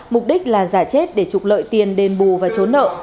mục đích là giả chết để trục lợi tiền đền bù và trốn nợ